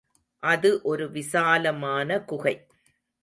அது ஒரு விசாலமான குகை.